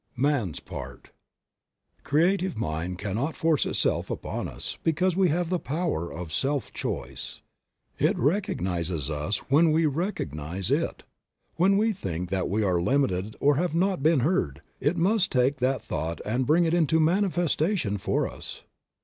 MAN'S PART. QREATIVE MIND cannot force itself upon us because we have the power of self choice. It recognizes us when we recognize it. When we think that we are limited or have not been heard, it must take that thought and bring it into manifestation for us.